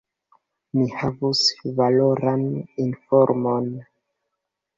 Ni havus valoran informon.